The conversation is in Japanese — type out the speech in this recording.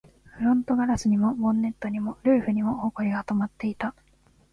フロントガラスにも、ボンネットにも、ルーフにも埃が溜まっていた